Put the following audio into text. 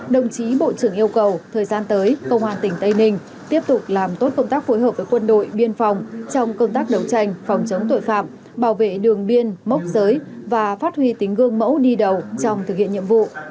đồng chí bộ trưởng yêu cầu thời gian tới công an tỉnh tây ninh tiếp tục làm tốt công tác phối hợp với quân đội biên phòng trong công tác đấu tranh phòng chống tội phạm bảo vệ đường biên mốc giới và phát huy tính gương mẫu đi đầu trong thực hiện nhiệm vụ